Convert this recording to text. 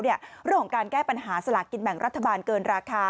เรื่องของการแก้ปัญหาสลากกินแบ่งรัฐบาลเกินราคา